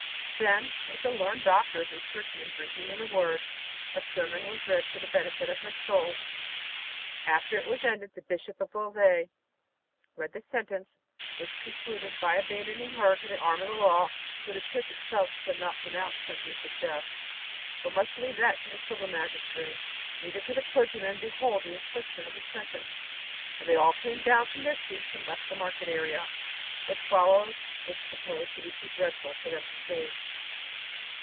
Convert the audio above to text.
_" Then, with the learned doctors and churchmen drinking in the words, a sermon was read for the benefit of her soul. After it was ended the Bishop of Beauvais read the sentence which concluded by abandoning her to the arm of the law, for the Church itself could not pronounce sentence of death, but must leave that to the civil magistrates. Neither could the clergymen behold the infliction of the sentence, and they all came down from their seats and left the market place. What followed was supposed to be too dreadful for them to see.